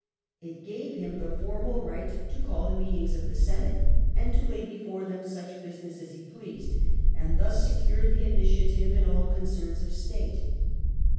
It gave him the formal right to call the meetings of the Senate, and to lay before them such business as he pleased, and thus secured the initiative in all concerns of state.